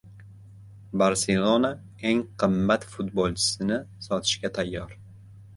“Barselona” eng qimmat futbolchisini sotishga tayyor